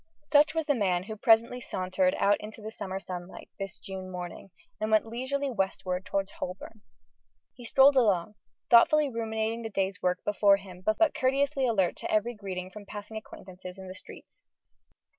Such was the man who presently sauntered out into the summer sunlight, this June morning, and went leisurely westward towards Holborn. He strolled along, thoughtfully ruminating the day's work before him, but courteously alert to every greeting from passing acquaintances in the streets.